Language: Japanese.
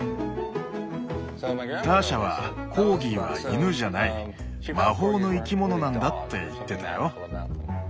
ターシャはコーギーは犬じゃない魔法の生き物なんだって言ってたよ。